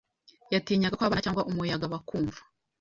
yatinyaga ko abana cyangwa umuyaya bakumva,